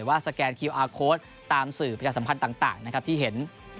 เอชหรือว่าตามสื่อประจักษ์สัมพันธ์ต่างนะครับที่เห็น